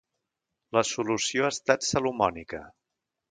La solució ha estat salomònica.